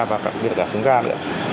và đặc biệt là phun ga nữa